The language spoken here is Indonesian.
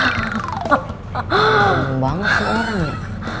temen banget sih orangnya